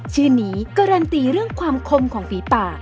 ชื่อนี้การันตีเรื่องความคมของฝีปาก